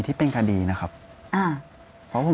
ก็คลิปออกมาแบบนี้เลยว่ามีอาวุธปืนแน่นอน